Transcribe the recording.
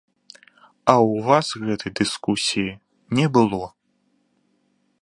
А ў вас гэтай дыскусіі не было.